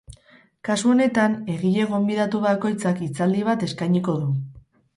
Kasu honetan, egile gonbidatu bakoitzak hitzaldi bat eskainiko du.